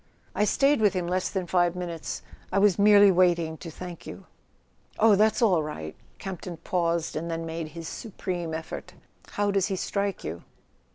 "I stayed with him less than five minutes; I was merely waiting to thank you." "Oh, that's all right." Campton paused, and then made his supreme effort. "How does he strike you?"